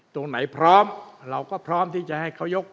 ตรงไหนพร้อมเราก็พร้อมที่จะให้เขายก